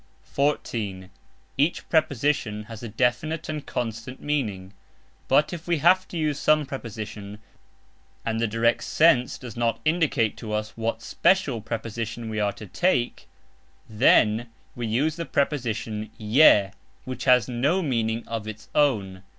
(14) Each PREPOSITION has a definite and constant meaning; but if we have to use some preposition and the direct sense does not indicate to us what special preposition we are to take, then we use the preposition "je" which has no meaning of its own.